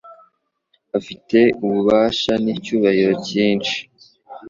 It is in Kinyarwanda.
afite ububasha n'icyubahiro cyinshi.